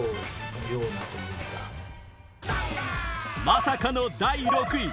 まさかの第６位！